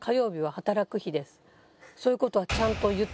「そういうことは」。